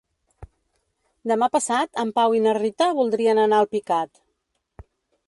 Demà passat en Pau i na Rita voldrien anar a Alpicat.